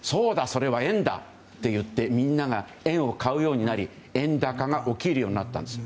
それは円だと言ってみんなが円を買うようになり円高が起きるようになったんです。